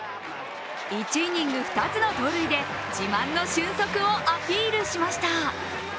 １イニング２つの盗塁で自慢の俊足をアピールしました。